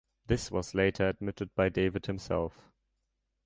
This was later admitted by David himself.